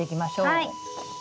はい。